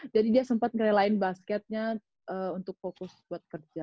jadi dia sempat ngerelain basketnya untuk fokus buat kerja